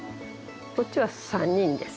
こっちは３人です。